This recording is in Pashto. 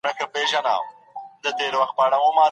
د دولتي پلان نشتوالی پلټني بې نظمه کوي.